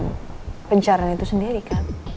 saya bisa melakukan pencarian itu sendiri kan